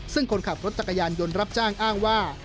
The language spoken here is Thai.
ซึ่งคนขับรถจักรยานยนต์รับจ้างอ้างว่า